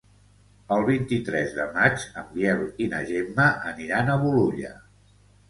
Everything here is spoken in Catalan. El vint-i-tres de maig en Biel i na Gemma aniran a Bolulla.